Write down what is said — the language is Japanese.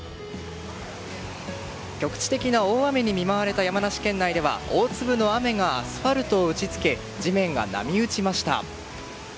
局地的な大雨に見舞われた山梨県内では大粒の雨がアスファルトを打ち付け地面が波打ちました。